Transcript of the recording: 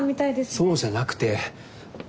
そうじゃなくて。